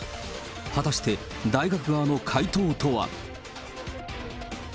果たして、大学側の回答とは。